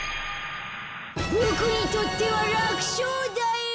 ボクにとってはらくしょうだよ。